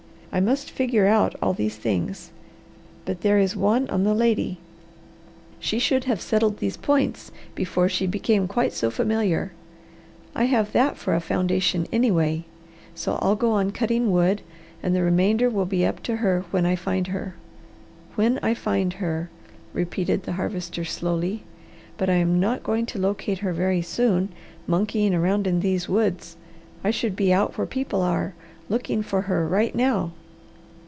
I must figure out all these things. But there is one on the lady: She should have settled these points before she became quite so familiar. I have that for a foundation anyway, so I'll go on cutting wood, and the remainder will be up to her when I find her. When I find her," repeated the Harvester slowly. "But I am not going to locate her very soon monkeying around in these woods. I should be out where people are, looking for her right now."